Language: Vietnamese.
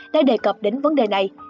đã đề cập đến vấn đề này